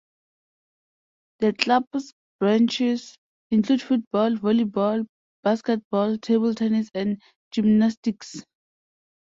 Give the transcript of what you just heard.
The club's branches include football, volleyball, basketball, table tennis, and gymnastics.